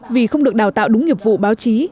vì không được đào tạo đúng nghiệp vụ báo chí